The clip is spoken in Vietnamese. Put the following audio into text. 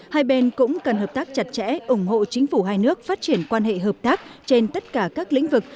hai bên cũng cần hợp tác chặt chẽ ủng hộ chính phủ hai nước phát triển quan hệ hợp tác trên tất cả các lĩnh vực